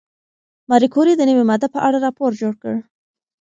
ماري کوري د نوې ماده په اړه راپور جوړ کړ.